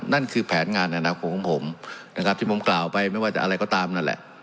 นั่นคือแผนงานอนาคตของผมนะครับที่ผมกล่าวไปไม่ว่าจะอะไรก็ตามนั่นแหละ